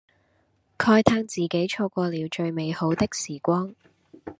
慨嘆自己錯過了最美好的時光